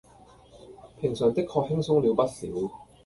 平常的確輕鬆了不少